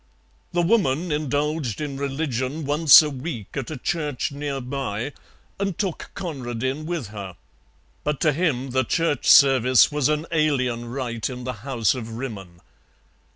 The Woman indulged in religion once a week at a church near by, and took Conradin with her, but to him the church service was an alien rite in the House of Rimmon.